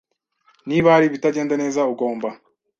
Niba hari ibitagenda neza, ugomba